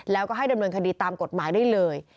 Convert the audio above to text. แล้วก็ให้ดำเนินคดีตามกฎหมายได้เลย